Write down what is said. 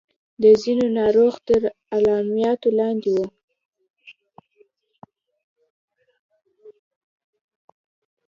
د ځينو ناروغ تر عملياتو لاندې وو.